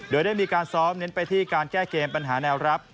โดยได้มีการซ้อมเน้นไปที่การแก้เกมปัญหาแนวรับ